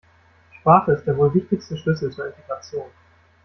Sprache ist der wohl wichtigste Schlüssel zur Integration.